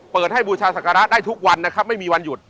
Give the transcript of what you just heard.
เปิดให้บูชาศักระได้ทุกวันนะครับไม่มีวันหยุด